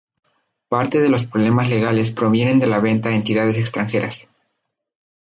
Parte de los problemas legales provienen de la venta a entidades extranjeras.